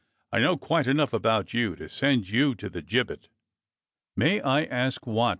" I know quite enough about you to send you to the gibbet." "May I ask what.